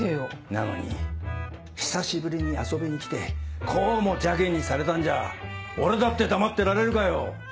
なのに久しぶりに遊びに来てこうも邪険にされたんじゃあ俺だって黙ってられるかよ。